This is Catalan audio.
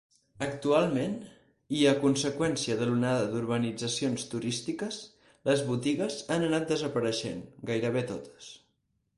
Actualment, i a conseqüència de l'onada d'urbanitzacions turístiques, les botigues han anat desapareixent, gairebé totes.